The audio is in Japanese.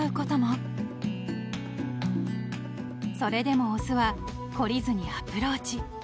［それでも雄は懲りずにアプローチ］